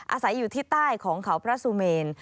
อาศัยอยู่ที่ใต้ของเขาพระสุเมน